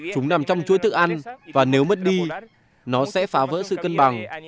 chúng nằm trong chuối thức ăn và nếu mất đi nó sẽ phá vỡ sự cân bằng